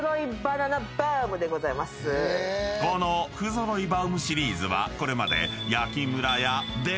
［この不揃いバウムシリーズはこれまで］